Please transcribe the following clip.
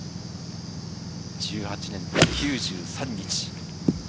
１８年と９３日。